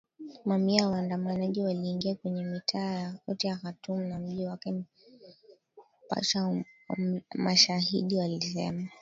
Mamia ya waandamanaji waliingia kwenye mitaa yote ya Khartoum na mji wake pacha wa Omdurman mashahidi walisema